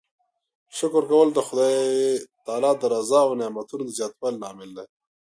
شکر کول د خدای د رضا او نعمتونو د زیاتوالي لامل دی.